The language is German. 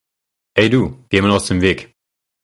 Ey du, geh mal aus dem Weg!